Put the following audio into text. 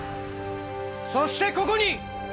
そしてここに！